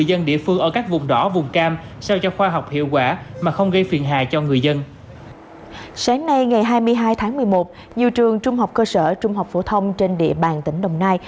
sáng nay ngày hai mươi hai tháng một mươi một nhiều trường trung học cơ sở trung học phổ thông trên địa bàn tỉnh đồng nai